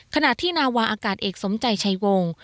ขณะที่นาวาอากาศเอกสมใจชัยวงศ์